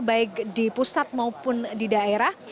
baik di pusat maupun di daerah